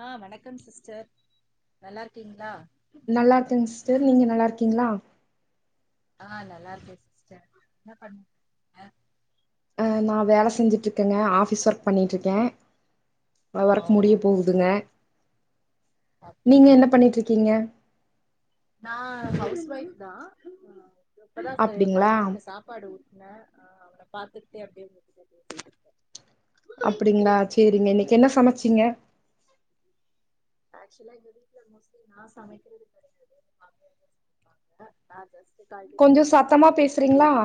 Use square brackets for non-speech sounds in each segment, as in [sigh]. ஆ வணக்கம் சிஸ்டர் நல்லா இருக்கீங்களா நல்லா இருக்கங்க சிஸ்டர் நீங்க நல்லா இருக்கீங்ளா ஆ நல்லா இருக்க சிஸ்டர் என்ன பண்ணறீங்க ஆ நா வேல செஞ்சுட்டுருக்கேங்க ஆபிஸ் ஒர்க் பண்ணிட்டு இருக்க ஓ வொர்க் முடிய அப்படியா போகுதுங்க நீங்க சாப்டீங்களா என்ன பண்ணிட்டு இருக்கீங்க நா ஹவுஸ் வைஃப் தா இப்பதா ச அப்டிங்களா பையனுக்கு சாப்பாடு ஊட்ன ஆ அவன பாத்து அப்டி அப்டியே அப்டிங்களா செரிங்க இன்னைக்கு என்ன சமைச்சீங்க ஆக்சுவலா எங்க வீட்ல மோஸ்ட்லி நா சமைக்குறது கெடையது மாமியார் தா சமைப்பாங்க ஜஸ்ட் காய்கறி கொஞ்சோ கட் பண்ணி சத்தமா பேசுறீங்களா குடுக்குறது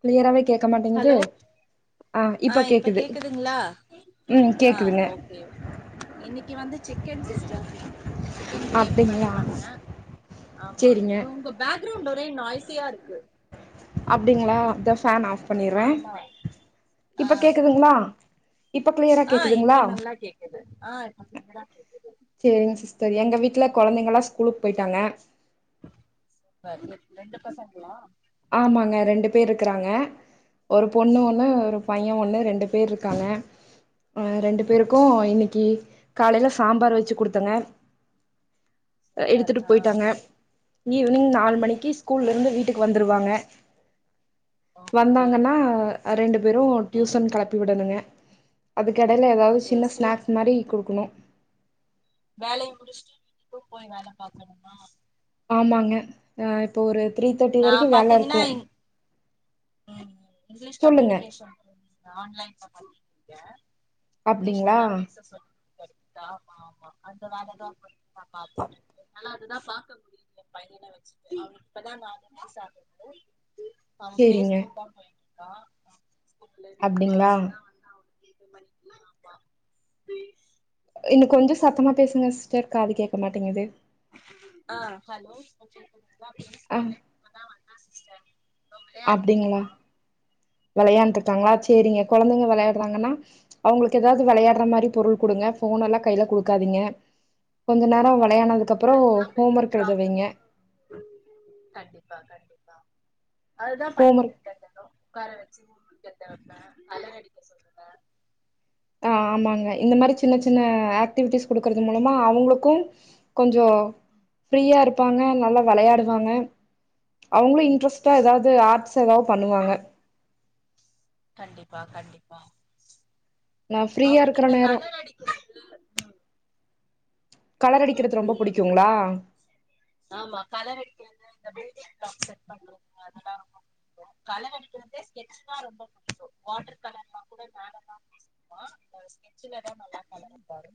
கிளியராவே கேக்க மாட்டேங்குது ஹலோ ஆ இப்ப கேக்குது ம் ஆ கேக்குதுங்க கேன் சிஸ்டர் சிக்கன் கிரேவி மாரி அப்டிங்களா பண்ண ஆமா சேரிங்க உங்க பேக் ரூம் ஒரே நாய்ஸியா இருக்கு அப்டிங்களா த ஃபேன் ஆப் பண்ணிறே ஆமா ஆ இப்ப கேக்குதுங்களா இப்ப கிளியரா ஆ கேக்குதுங்களா இப்ப நல்லா கேக்குது, ஆ இப்ப நல்லா கேக்குது தோழி எங்க வீட்ல கொழந்தைங்களா ஸ்கூலுக்கு போயிட்டாங்க சூப்பர் ரெ ரெண்டு பசங்களா ஆமாங்க ரெண்டு பேர் இருக்றாங்க ஒரு பொண்ணு ஒன்னு ஓகே ஒரு பை ய ஒண்ணு ரெண்டு பேர் இருக்காங்க ஆ ரெண்டு பேருக்கு இன்னிக் கி காலைல சாம்பார் வச்சு குடுத்தங்க அ சூப்பர் எடுத்துட்டு ஆ போயிட்டாங்க ஈவினிங் நாலு மணிக்கி ஸ்கூல்ல இருந்து வீட் வந்துருவாங்க ஓகே வந்தாங்கனா ஆ ரெண்டு பேரு டியூசன் ம் கெளப்பி விடணுங்க அதுக்கு எடைல ஏதாவது சின்ன ஸ்கூல் ஸ்நாக்ஸ் மாரி குடுக்குணு வேலய முடிச்ட்டு வீட்டுக்கும் போய் வேல பாக்கணுமா ஆமாங்க ஆ இப்ப ஒரு த்ரீ தேர்ட்டி நா வரைக்கு வேல பாத்தீங்கன்னா இருக்கு இங்- ம் இங்கிலீஷ் கம்யூனிகேஷன் ஆன்லைன்ல பண்ண ய இங்கிலீஷ் அப்டிங்களா? நல்லா பேச சொல்லி குடுக்றது ஆமா ஆமா அந்த வேலதா போய் நா பாத்துட்டுருக்கே நல்லா அதுதா பாக்க முடியுது, எ பையன வச்சிட்டு அவனுக்கு இப்பதா நாலு வயசு ஆயிருக்கு சேரிங்க போயிட்ருக்கா ஸ்கூலு இப்ப அப்டிங்களா? அவந்தா வந்தா அவ இது மாரி ஸ்கூல நா பாத் [unintelligible] இன்னு கொஞ்ச சத்தமா பேசுங்க சிஸ்டர் காது கேக் அ ஹலோ அ ஸ்டெம் அப்டிங்ளா வெளையாண்ட்டு இருக்காங்ளா சேரிங்க கொழந்தைங்க விளையாட்றாங்கன்னா அவுங்ளுக்கு ஏதாவ்து வெளையாட்ற மாரி பொருள் குடுங்க ஃபோன் எல்லா கைல குடுக்காதீங்க கொஞ்ச நேரோ வெளையானதுக் அப்புறோ அதுதா ஹோம் பெரிய ஒர்க் எழுதவைங்க ப்ராப்ளம் கண்டிப்பா கண்டிப்பா அதுதா பண்ணிட்டு இருக்கே தெனோ உக்கார வச்சி கலர் அடிக்க சொல்லுங்க ஆ ஆமாங்க இந்த மாரி சின்ன சின்ன ஆக்டிவிட்டிஸ் குடுக்றது மூலமா அவங்களுக்கு கொஞ் ஜோ ஃப்ரீயா இருப் பண்ணா நல்லா விளையாடுவாங்க அவுங்களு இன்ட்ரெஸ்டா ஏதாது ஆர்ட்ஸ் ஏதாது பண்ணுவாங்க கண்டிப்பா கண்டிப்பா நா ஃப்ரீயா அவனுக்கு இருக்கிற இந்த நேரோ கலர் அடிக்கிறது ம் கலர் அடிக்கிறது ரொம்ப புடிக்குங்களா ஆமா கலர் அடிக்கிறது இந்த பில்டிங் பிளாக் செட் பண்றது அதெல்லா ரொம்ப புடிக்கு கலர் அடிக்கிறதே ஸ்கெட்ச்ன்னா ரொம்ப புடிக்கு வாட்டர் கலர்ல்லா கூட மேலல்லா பூசிக்குவா ஸ்கெட்ச்ல தா நல்லா கலர் அடிப்பாரு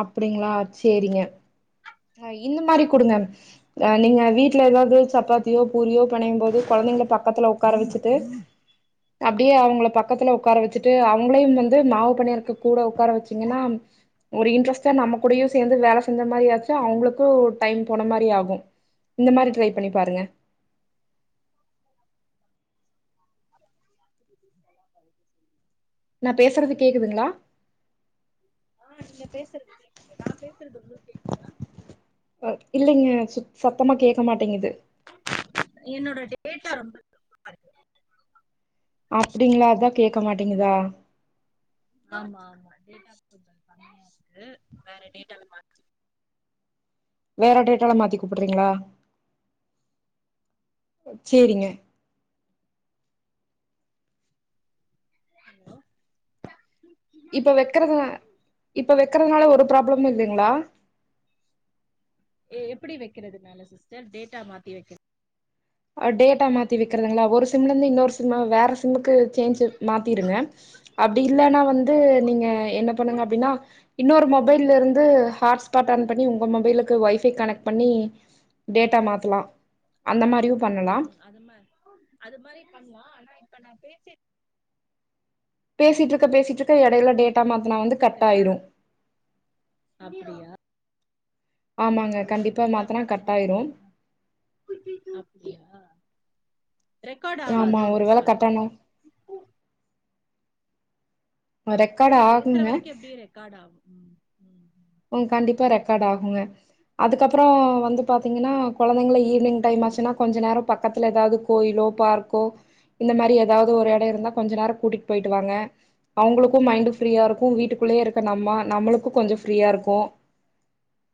அப்டிங்களா சேரிங்க ஆ இந்த மாரி குடுங்க ஆ நீங்க வீட்ல ஏதாவது சப்பாத்தியோ பூரியோ பெணையு போது கொழந்தைங்கள பக்கத்துல உக்கார வச்சிட்டு அப்டியே அவங்கள பக்கத்துல உக்கார வச்சிட்டு அவங்களையு வந்து மாவு பெணைறக்கு கூட உக்கார வச்சீங்கன்னா ஒரு இன்ட்ரெஸ்ட்டா நம்ம கூடயு சேர்ந்து வேல செஞ்ச மாரியு ஆச்சி அவங்களுக்கு டைம் போன மாரி ஆகு இந்த மாரி ட்ரை பண்ணி ஆமா பாருங்க சொல்ல [unintelligible] நா பேசுறது கேக்குதுங்களா ஆ நீங்க பேசுறது கேக்குது நா பேசுறது உங்களுக்கு கேக்குதா இல்லிங்க சு சத்தமா கேக்க மாட்டேங்குது என்னோட டேட்டா ரொம்ப கம்மியா இருக்கு அப்டிங்களா அதா கேக் மாட்டிங்குதா ஆமா ஆமா டேட்டா கொஞ்ஜோ கம்மியா இருக்கு வேற டேட்டா மாத்தனு வேற டேட்டால மாத்தி கூப்புடுறீங்களா சேரிங்க ஹலோ இப்ப வெக்கறது இப்ப வெக்கறதுனால ஆ ஒரு ப்ராப்ளமு இல்லைங்களா எப்டி வெக்கிறது மேமு சிஸ்டர் டேட்டா மாத்தி வைக்க டேட்டா மாத்தி வெக்கிறதுங்களா ஒரு சிம்ல இருந்து இன்னொரு சிம்மு வேற சிம்முக்கு சேஞ்சு மாத்திருங்க அப்டி இல்லனா வந்து ம் நீங்க என்ன பண்ணுங்க அப்டினா இன்னொரு மொபைல்ல இருந்து ஹாட்ஸ்பாட் ஆன் பண்ணி உங்க மொபைலுக்கு வைஃபை கனெக்ட் பண்ணி டேட்டா மாத்தலா அந்த மாரி உம் அது மா அது மாரியும் பண்லா ஆனா நா பேசி பேசிட்ருக் பேசிட்டு இருக்க இடையில இன்னொரு டேட்டா மொபைல் நா மாத்துனா வந்து கட் வச்சிருக்கற ஆயிடும் அப்டியா டேட்டா மாத்துனுமே ஆயிரும் அப்டியா ரெக்கார்ட் ஆமா ஆவாது ஒரு வேள சாரி கட் ஆனா ரெக்கார்ட் சரி பேசுற ஆகுங்க வரைக்கும் எப்டியோ ரெக்கார்ட் ஆகும் உம்ஹ் உம் கண்டிப்பா ரெக்கார்ட் ஆகுங்க அதுக்கப்புறோ வந்து ம் பாத்தீங்கனா கொழந்தைங்கள ஈவினிங் டைம் ஆச்சினா கொஞ்ச நேரோ பாக் இல்ல எதாவது கோயிலோ பார்க்கோ இந்த மாரி எதாவது ஒரு ம் எட இருந்தா கொஞ்ச நேரோ கூட்டிட்டு போயிட்டு வாங்க அவுங்களுக்கு மைண்டு ம் ஃப்ரீயா இருக்கு வீட்டுக்குள்ளயே இருக்க நம்ம நம்மளுக்கு கொஞ்சோ ஃப்ரீயா இருக்கு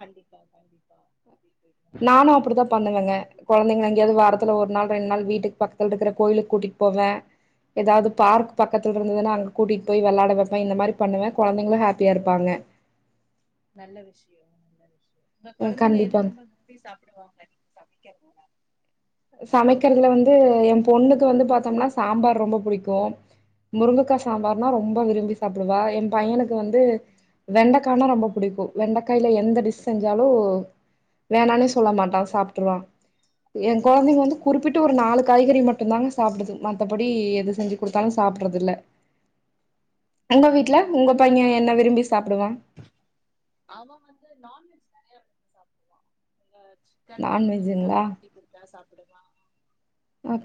கண்டிப்பா கண்டிப்பா கூட்டிட்டு போயிட்டு வாங்க நானு அப்டித்தா பண்ணுவங்க கொழந்தைங்க எங்கேயாது வாரத்துல ஒரு நாள் ரெண்டு நாள் வீட்டுக்கு பக்கத்துல இருக்குற கோயிலுக்கு கூட்டிட்டு போவே எதாது பார்க் பக்கத்துல ம் இருந்ததுனா அங்க கூட்டிட் போய் வெளையாட வெப்பே இந்த மாரி பண்ணுவே கொழந்தைங்களு ஹாப்பியா இருப்பாங்க நல்ல விஷயம் நல்ல விஷயம் உங்க கொழந்தைங்க எது கண்டிப்பாங்க ரொம்ப விரும்பி சாப்டுவாங்க நீங்க சமைக்க சமைக்கிறதுல வந்து எ பொண்ணுக்கு வந்து பாத்தோம்னா சாம்பார் ரொம்ப புடிக்கு முருங்கக்கா ம் சாம்பார்னா ரொம்ப விரும்பி சாப்பிடுவா எ பையனுக் கு வந்து ம் வெண்டக் கானா ரொம்ப புடிக்கு வெண்டைக்காயில எந் த டிஷ் செஞ்சாலு வேணானே சொல்ல ம் மாட்டா சாப்பிட்டுருவா என் கொழந்தைங்க வந்து ம். குறிப்பிட்டு ஒரு நாலு காய்கறி மட்டுந்தாங்க சாப்பிடுது மத்தபடி எது செஞ்சு குடுத்தாலு சாப்பிடுறதில்ல ம். உங்க அது வீட்ல கொஞ்சோ உங்க நல்லா பைய அதுக்கு என்ன விரும்பி சாப்பிடுவா சாப்பிடுவான் [unintelligible] நான்வெஜிங்களா சாப்டுவா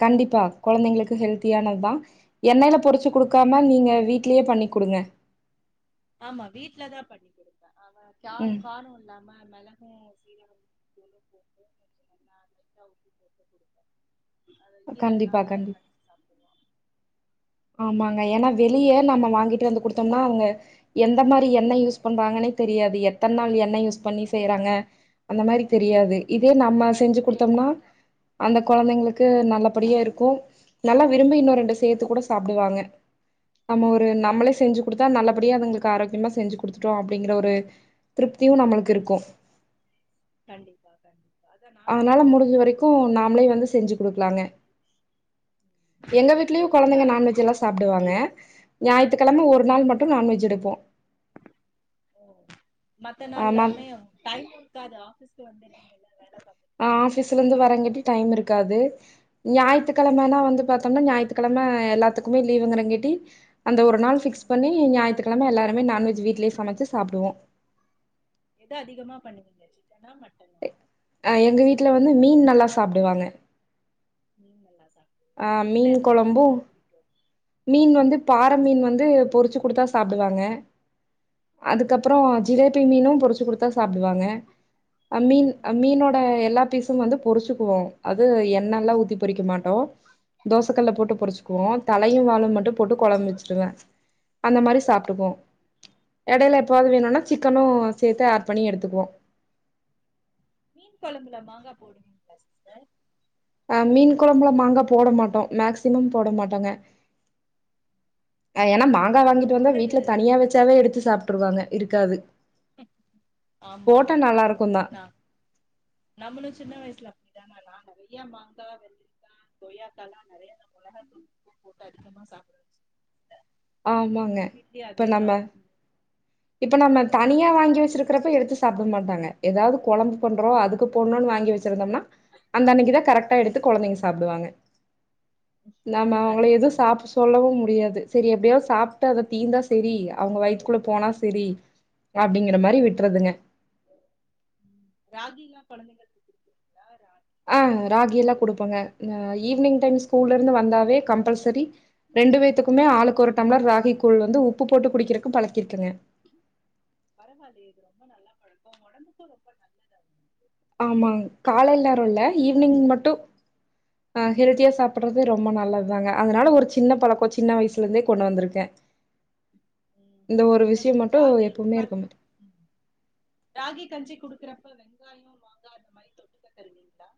கண்டிப்பா கொழந்தைங்களுக்கு ஹெல்த்தியான த்தா எண்ணெயல பொரிச்சு குடுக்காம நீங்க வீட்லயே பண்ணி குடுங்க ஆமா வீட்லதா பண்ணி் குடுப்பே அவ கேர ம் காரோ இல்லாம மெளகு ஜீரகம் [inaudible] போட்டு குடுப்பே அது ஈரல்லா கண்டிப்பா இருக்குல்ல கண்டிப் கடிச்சு சாப்பிடுருவா ஆமாங்க ஏனா வெளிய நம்ம வாங்கிட்டு வந்து குடுத்தம்னா அவங்க எந்த மாரி எண்ண யூஸ் பண்றாங்கன்னே தெரியாது எத் தன நாள் எண்ண யூஸ் பண்ணி ஆமா செய்யறாங்க அந்த மாரி தெரியாது ம் இதே நம்ம செஞ்சு குடுத்தோம்னா கெடுதல் தா அந்த கொழந்தைங்களுக்கு நல்லபடியா இருக்கு ந ல்லா விரும்பி இன்னு ரெண்டு சேத்து கூட சாப்டுவாங்க நம்ம ஒரு நம்மளே செஞ்சு குடுத்தா நல்லப் புடியே அதுங்ளுக்கு ஆரோக்கியமா செஞ்சு குடுத்துட்டோ அப்டிங்கிற ஒரு திருப்தியு நம்மளுக் கண்டிப்பா கண்டிப்பா அதா நானே தா அதனால செஞ்சு முடிஞ்ச குடுப்பே வரைக்கு நாம்ளே மோஸ்ட்லி வந்து செஞ்சு குடுக்லாங்க ம் எங்க வீட்லயு வெளில கொழந்தைங்க அது நான் வெஜ்ஜலா மோஸ்ட்லி நா சாப்டுவாங்க ஞாயித்துக்கெழம ஒரு அப்டியா நாள் மட்டு நான்வெஜ் எடுப்போ ஓ மத்த ஆமா நாள்ளாமே டைம் இருக்காது ஆபீஸ்கு வந்தே ஆ ஆஃபீஸ்லருந்து அதனால ம் ஞாயித்துக்கழமன்னா வந்து பாத்தம்னா ஞாயித்துக்கழம எல்லாத்துக்குமே லீவுங்கிறங்கேட்டி அந்த ஒரு நாள் ஃபிக்ஸ் பண்ணி ம் ஞாயித்துக்கழம எல்லாருமே நான்வெஜ் வீட்லே சமைச்சு சாப்டுவோ இத அதிகமா பண்ணுவீங்க சிக்கனா மட் அ எங்க வீட்ல வந்து மீன் நல்லா சாப்டுவாங்க மீன் நல்லா சாப் அ மீன் கொழம்பு மீன் வந்து ம் பாற மீன் வந்து பொறிச்சு குடுத்தா சாப்டுவாங்க ம் அதுகப்ரோ ஜிலேபி மீனு பொரிச்சு குடுத்தா சாப்டுவாங்க அ மீன் மீனோட ம் எல்லா பீஸும் வந்து பொரிச்சு போ அது எண் ண்ணல்லா ஊத்தி ம் பொரிக்க மாட்டோ தோசக்கல்ல ம் போட்டு ம். பொரிச்சிக்குவோ தலையு வாலு மட்டு போட்டு கொழம்பு வச்சுடுவே அந்த மாரி ம், சாப்டுபோ நல்ல. எடையில எப்பாவாது வேணுனா சிக்கனு சேத்து ஆட் பண்ணி எடுத்துக்வோ இல்லபுல்ல மாங்கா போடுவீங்ளா சிஸ்டர் அ மீன் கொழம்புல மாங்க போட மாட்டோ மேக்சிமம் போட மாட்டோங்க அ ஏன மாங்கா அப்டி வாங்கிட்டு வந்தா போடுறது வீட்ல தனியா வச்சாவே எடுத்து சாப்ட்டுருவாங்க இருக்காது ஆமா போட்டா ஆமா நல்லா இருக்குந்தா ந நம்மளு சின்ன வய்சுல அப்டிதாமா நா நெறையா மாங்கா வெள்ரிகா கொய்யாக்காலா நெறைய நா மொளகாதூள் உப்பு போட்டு நா அதிகமா சாப்டுவ ஆமாங்க இப்ப நம்ம இப்ப நம்ம தனியா வாங்கி வச்சிருக்றப்ப எடுத்து சாப்ட மாட்டாங்க ஏதாவ்து கொழம்பு பண்றோ அதுக்கு ம் போட்ணுன்னு வாங்கி வச்சிருந்தம்னா அந்த அன்னிக்குதா கரெக்டா எடுத்து ம் கொழந்தைங்க சாப்டுவாங்க நம்ம அவுங்கல கரெக்ட் எது ஆமா சாப்ட சொல்லவு முடியாது செரி எப்டியோஸ் சாப்ட்டு அத ம் தீந்தா சரி அவுங்க வயித்துக்குள்ள போனா செரி ம் அப்டிங்கற மாரி நல்லது விட்றதுங்க கொழந்தைகள்க் குடுப்பீங்லா ஆ ராகி எல்லா குடுப்போங்க கஞ்சி ஈவினிங் டைம் ஸ்கூல்லருந்து ம் வந்தாவே கம்பல்சரி ரெண்டு பேத்துக்குமே ஆளுக்கு ஒரு டம்ளர் ராகி கூழ் குடித்து வந்து உப்பு போட்டு குடிக்கிறக்கு பலக் பரவாலியே இதுரோ அவங்களுக்கு ஆமா காலைல் நேரோ இல்ல ஹெல்த்தியா ஈவ்னிங் சாப்பிடுறது மட்டு அ ஹெல்தியா ம் சாப்புட்றது ரொம்ப நல்லத்தாங்க அதனால ஒரு சி சின்ன பழக்கோ சின்ன வய்சுல இருந்தே கொண்டு வந்ருக்கே இந்த ஒரு விஷிய இப்ப மட்டு ராகி எப்போமே இருக்க மது இப்ப வெங்காயோ மாங்கா அந்த மாரி தொட்டுக்க தருவீங்ளா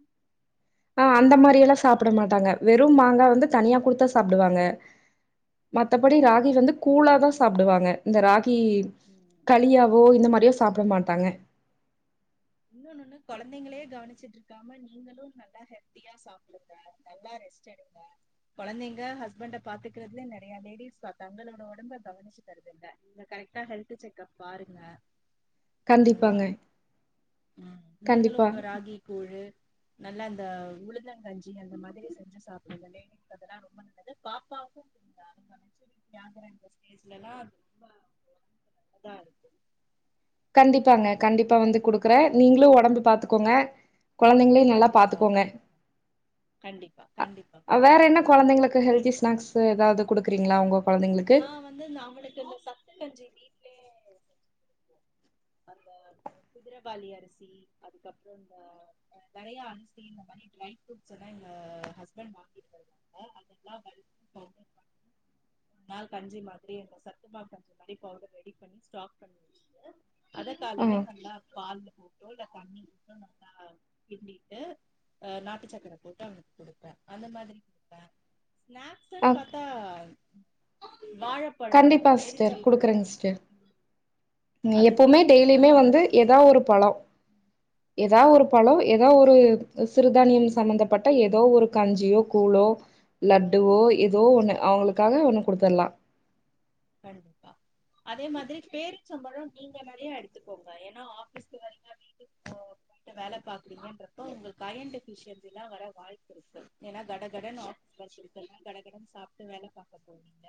ஆ அந்த மாரியெல்லா சாப்ட மாட்டாங்க வெறு மாங்கா ந்து தனியா ம் குடுத்தா சாப்டுவாங்க மத்தபடி ராகி வந்து கூழாதா சாப்டுவாங்க இந்த ராக் கி களியாவோ இந்த மாரியோ சாப்ட மாட்டாங்க இன்னொன்னு கொழந்தைங்களே கவனிச்சுட்டு இருக்காம நீங்களு நல்லா ஹெல்த்தியா சாப்டுங்க நல்லா ரெஸ்ட் எடுங்க கொழந்தைங்க ஹஸ்பண்ட பாத்துக்கறதுலே நெறைய லேடிஸ் தங்களோட ஒடம்ப கவனிச்சுக்கிறது இல்ல நீங்க கரெக்டா ஹெல்த் செக்ப் பாருங்க அதுதா கண்டிப்பாங்க ம் நீங்களு கண்டிப்பா ராகி கூழு நல்லா அந்த உளுந்தங்கஞ்சி அந்த மாதிரி செஞ்சு சாப்டுங்க லேடிஸ்க்கு அதெல்லா ரொம்ப நல்லது பாப்பாக்கு குடுங்க அவங்க மெஜ்யூரிட்டி ஆகுற இந்த ஸ்டேஜ்லல்லா அது ரொம்ப நல்லதா இருக்கு கண்டிப்பாங்க கண்டிப்பா வந்து குடுக்கறே நீங்களு ஒடம்பு பாத்துக்கோங்க கொழந்தைங்களையு நல்லா கண்டிப்பா பாத்துக்கோங்க கண்டிப்பா கண்டிப்பா ஆ கண்டிப்பா ஆ வேற என்ன கொழந்தைங்களுக்கு ஹெல்த் டீ ஸ்நாக்ஸ்ஸு எதாவது குடுக்குறீங்களா உங்க குழந்தைங்களுக்கு? நா வந்து இந்த அவளுக்கு இந்த சத்துக்கஞ்சி வீட்லயே [inaudible] செஞ்சி குடுப்போ அந்த ஆ குதுரவாளி அரிசி அதுக்கப்றோ அந்த நெறைய அரிசி இந்த மாரி ட்ரை ஃப்ரூட்ஸ் எல்லா எங்க ஹஸ்பண்ட் வாங்கிட்டு வருவாங்க அதெல்லா வறுத்து பவுடர் பண்ணி ஒரு நாள் கஞ்சி மாதிரி அந்த சத்துமாவ் கஞ்சி மாரி பவுடர் ரெடி பண்ணி ஸ்டாக் பண்ணி வச்சிட்டு அத அ காலையில நல்லா பால்ல போட்டோ இல்ல தண்ணிவுட்டோ நல்லா கிண்டிட்டு ஆ நாட்டு சக்கரை போட்டு அவனுக் குடுப்பே அந்த மாதிரி குடுப்பே அ ஸ்நாக்ஸ்ஸுன்னு பாத்தா வாழப்பழோ கண்டிப்பா சிஸ்டர். பேரிச்சம்பழோ நீ அதுதா எப்போமே டெய்லியுமே அந்த வந்து மாதிரி எதா ஒரு பழ எதா ஒரு பழ எ எதா ஒரு சிறுதானியம் சம்மந்தப்பட்ட எதோ ஒரு கஞ்சியோ கூழோ லட்டுவோ எதோ ஒண்ணு அவங்களுக்காக ஒன்னு குடுத்தடலா கண்டிப்பா அதே மாதிரி பேரிச்சம்பழ நீங்க நெறைய எடுத்துக்கோங்க ஏன்னா ஆஃபீஸ்க்கு வரீங்க வீட்டுக்கு போ போய்ட்டு வேல பாக்குறீங்கன்றப்போ உங்களுக்கு அயன் டிஃபிஷியன்சியெல்லா வர வாய்ப்பிருக்கு ஏன்னா கடகடன்னு ஆஃபீஸ் வொர்க் இருக்குன்னு கடகடன்னு சாப்ட்டு வேல பாக்க போவீங்க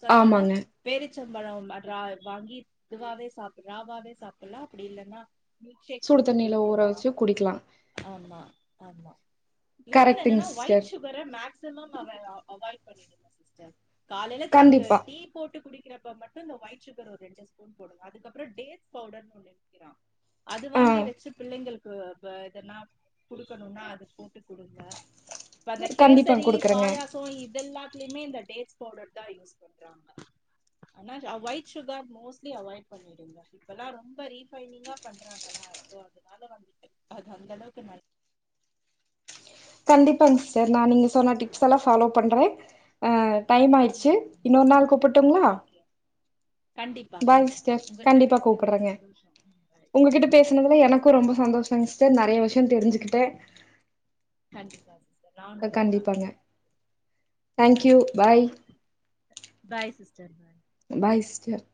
சோ அதனால ஆமாங்க. பேரி ச்சம்பழோ அட்றா வாங்கி இதுவாவே சாப் ராவாவே சாப்பிட்லா அப்படி இல்லன்னா மில்க் ஷேக் சுடு போட்டு தண்ணியில ஊற குடிக்கலா வச்சு குடிக்கலாம். ஆமா ஆமா இன்னோன் கரெக்ட்டுங்க என்னன்னா ஒய்ட் சிஸ்டர். ஷுகர மேக்ஸ் மேக்சிமம் அவ அவாய்ட் பண்ணிடுங்க சிஸ்டர் காலைல சப் டு கண்டிப்பா. டீ போட்டு குடிக் கிறப்ப மட்டு இந்த ஒய்ட் ஷுகர் ஒரு ரெண்டு ஸ்பூன் போடுங்க அதுக்கப்பற டேட்ஸ் பவுடர்னு ஒன்னு விக்கிறா அது ஆ வாங்கி வச்சு பிள்ளைங்களுக்கு ப இதென்னா குடுக்கணுன்னா அது போட்டு குடுங்க இப்ப அந்த கண்டிப்பா கேசரி குடுக்குறேங்க. பாயாச இதெல்லாத்துலயுமே இந்த டேட்ஸ் பவுடர் தா யூஸ் பண்றாங்க ஆனா ஒய்ட் சுகர் மோஸ்ட்லி அவாய்ட் பண்ணிடுங்க இப்பல்லா ரொம்ப ரீஃபைனிங்கா பண்றாங்களா சோ அதனால வந்துட்டு அது அந்த அளவுக்கு நல் கண்டிப்பாங் சிஸ்டர் நா நீங்க சொன்ன டிப்ஸ் எல்லா ஃபாலோ பண்றே அஹ் டைம் ஆயிடுச்சு இன்னொரு நாள் கூப்பட்டுங்ளா ஓகே கண்டிப்பா பாய் கண்டிப்பா சிஸ்டர் உங்கள்ட்ட கண்டிப்பா பேசுனதுல கூப்பட்றேங்க சந்தோஷம் ம் பாய் உங்ககிட்ட பேசனதுல எனக்கு ரொம்ப சந்தோஷங் சிஸ் டர் நெறைய விஷ்ய தெரிஞ்சுக்கிட்டே கண்டிப்பா சிஸ்டர் நானு கண்டிப்பாங்க thank you bye bye sister bye bye sis டர்